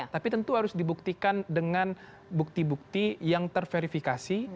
tapi tentu harus dibuktikan dengan bukti bukti yang terverifikasi